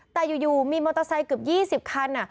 แต่อยู่มีมอเตอร์ไซค์เกือบ๒๐คัน